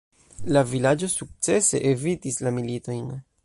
La vilaĝo sukcese evitis la militojn.